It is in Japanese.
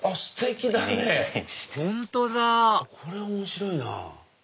これ面白いなぁ。